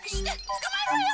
つかまえるわよ！